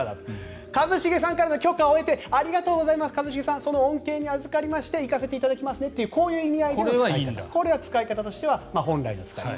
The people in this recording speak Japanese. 一茂さんから許可を得てありがとうございますその恩恵を受けて行かせていただきますねという使い方は、意味合いとしては本来の使い方。